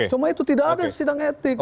cuma itu tidak ada sidang etik